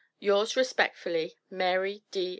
Yours respectfully, MARY D.